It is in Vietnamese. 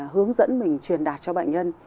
hướng dẫn mình truyền đạt cho bệnh nhân